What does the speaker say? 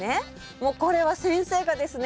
もうこれは先生がですね